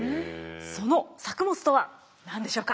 その作物とは何でしょうか？